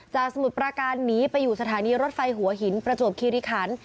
สมุทรประการหนีไปอยู่สถานีรถไฟหัวหินประจวบคิริขัน